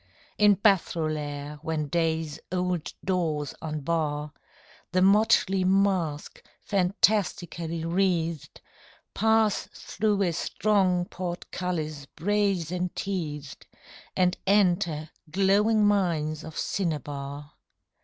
In Bathrolaire when Day's old doors unbar The motley mask, fantastically wreathed, Pass through a strong portcullis brazen teethed, And enter glowing mines of cinnabar.